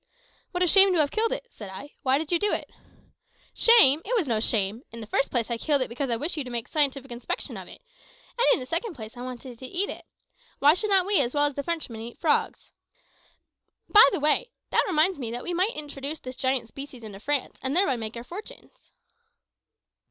"What a shame to have killed it!" said I. "Why did you do it?" "Shame! It was no shame. In the first place, I killed it because I wish you to make scientific inspection of it; and in the second place, I wanted to eat it. Why should not we as well as Frenchmen eat frogs? By the way, that reminds me that we might introduce this giant species into France, and thereby make our fortunes."